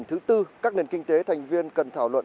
thì tôi nghĩ nó sẽ có ý nghĩa hơn